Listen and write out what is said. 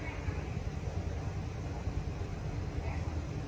สวัสดีครับ